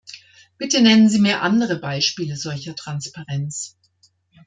Bitte nennen Sie mir andere Beispiele solcher Transparenz.